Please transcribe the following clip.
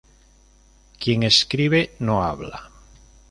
Quien escribe no habla.